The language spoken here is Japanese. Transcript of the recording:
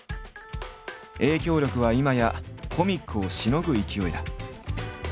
影響力は今やコミックをしのぐ勢いだ。